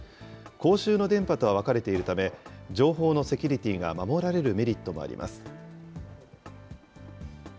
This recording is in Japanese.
公衆の電波とは分かれているため、情報のセキュリティが守られるメリットもあります。